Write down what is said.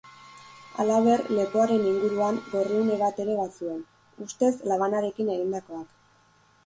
Halaber, lepoaren inguruan gorriune bat ere bazuen, ustez labanarekin egindakoak.